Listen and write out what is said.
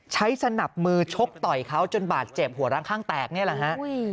สนับมือชกต่อยเขาจนบาดเจ็บหัวร้างข้างแตกนี่แหละฮะ